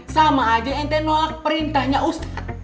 sama aja nt nolak perintahnya ustadz